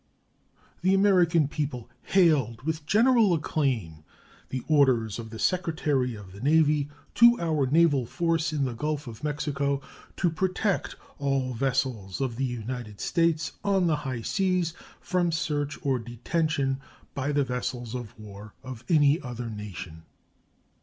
The American people hailed with general acclaim the orders of the Secretary of the Navy to our naval force in the Gulf of Mexico "to protect all vessels of the United States on the high seas from search or detention by the vessels of war of any other nation."